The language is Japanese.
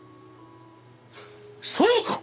そうか！